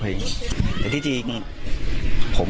เพลงที่สุดท้ายเสียเต้ยมาเสียชีวิตค่ะ